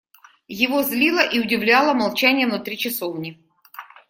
Его злило и удивляло молчание внутри часовни.